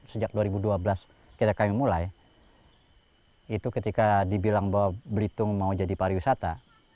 sejak dua ribu dua belas kita kami mulai itu ketika dibilang bahwa belitung mau jadi pariwisata